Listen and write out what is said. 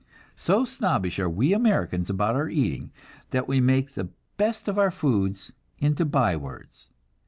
So snobbish are we Americans about our eating, that we make the best of our foods into bywords.